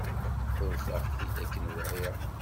Ḥuṛfeɣ-t-id akken wɛiɣ.